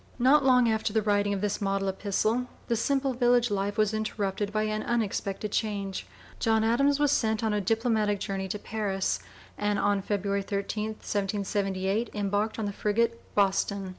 Not long after the writing of this model epistle, the simple village life was interrupted by an unexpected change. John Adams was sent on a diplomatic journey to Paris, and on February 13, 1778, embarked in the frigate Boston.